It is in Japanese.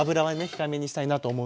控えめにしたいなと思うので。